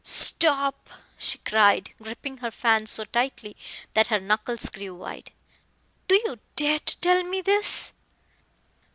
"Stop!" she cried, gripping her fan so tightly that her knuckles grew white. "Do you dare to tell me this?"